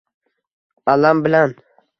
Alam bilan